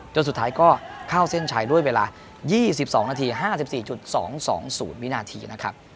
จนสุดท้ายก็เข้าเส้นชัยด้วยเวลา๒๒นาที๕๔๒๒๐วินาทีนะครับ